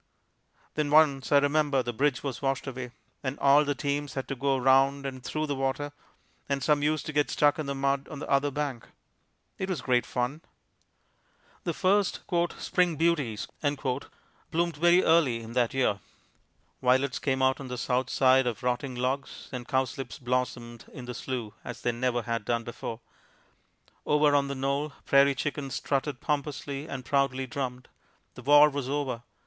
Then once, I remember, the bridge was washed away, and all the teams had to go around and through the water, and some used to get stuck in the mud on the other bank. It was great fun! The first "Spring beauties" bloomed very early in that year; violets came out on the south side of rotting logs, and cowslips blossomed in the slough as they never had done before. Over on the knoll, prairie chickens strutted pompously and proudly drummed. The war was over!